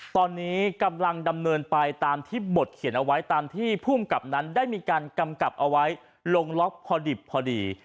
ตอนนี้กำลังดำเนินไปตามที่บทเขียนเอาไว้ตามที่ภูมิกับนั้นได้มีการกำกับเอาไว้ลงล็อกพอดิบพอดี